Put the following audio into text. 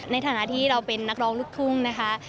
ในฐานะที่เราเป็นนักร้องลูกทุ่งนะคะ